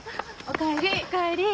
お帰り。